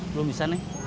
belum bisa nih